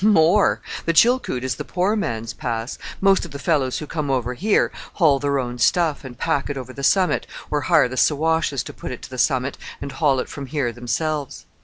"More! The Chilkoot is the poor man's Pass. Most of the fellows who come over here haul their own stuff, and pack it over the summit, or hire the Siwashes to put it to the summit, and haul from here themselves.